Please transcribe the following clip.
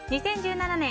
２０１７年